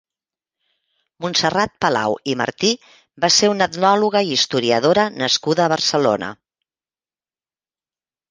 Montserrat Palau i Martí va ser una etnòloga i historiadora nascuda a Barcelona.